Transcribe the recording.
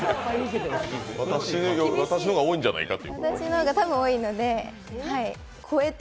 私の方が多いんじゃないかって？